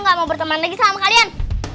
gak mau berteman lagi sama kalian